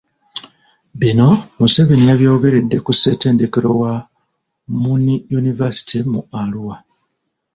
Bino, Museveni yabyogeredde ku ssettendekero wa Muni University mu Arua.